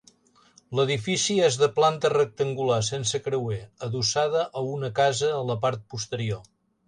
L'edifici és de planta rectangular, sense creuer, adossada a una casa a la part posterior.